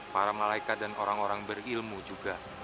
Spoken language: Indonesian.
para malaikat dan orang orang berilmu juga